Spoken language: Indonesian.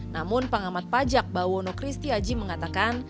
namun pengamat pajak bawono christy aji mengatakan